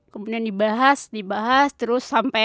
kemudian dibahas dibahas terus sampai sembilan puluh delapan